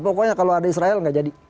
pokoknya kalau ada israel nggak jadi